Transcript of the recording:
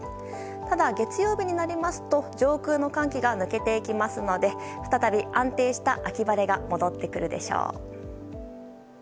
ただ月曜日になりますと上空の寒気が抜けますので再び安定した秋晴れが戻ってくるでしょう。